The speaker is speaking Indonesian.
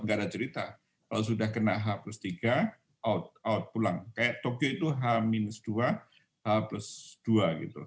nggak ada cerita kalau sudah kena h tiga out out pulang kayak tokyo itu h dua h plus dua gitu